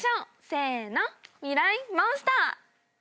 せのミライ☆モンスター。